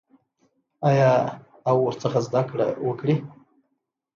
آیا او ورڅخه زده کړه وکړي؟